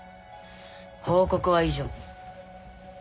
報告は以上。